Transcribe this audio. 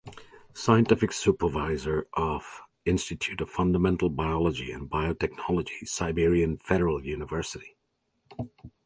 Scientific supervisor of Institute of Fundamental Biology and Biotechnology Siberian Federal University.